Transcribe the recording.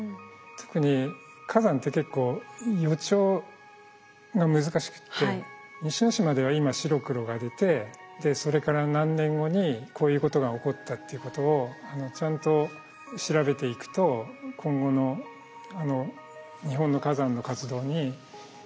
特に火山って結構予兆が難しくて西之島では今白黒が出てそれから何年後にこういうことが起こったっていうことをちゃんと調べていくと今後の日本の火山の活動に役立つと思ってます。